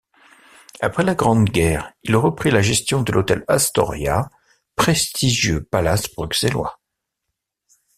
Après la Grande guerre il reprit la gestion de Hôtel Astoria prestigieux palace bruxellois.